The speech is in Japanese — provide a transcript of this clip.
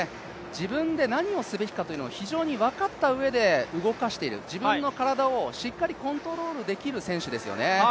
自分で何をすべきかというのを非常に分かった上で動かしている自分の体をしっかりコントロールできる選手ですよね。